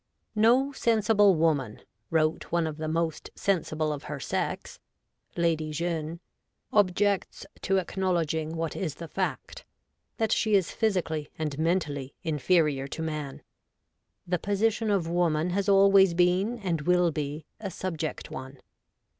No sensible woman,' wrote one of the most sensible of her sex,* 'objects to acknowledging what is the fact, that she is physically and mentally in ferior to man. ... The position of woman has always been, and will be, a subject one.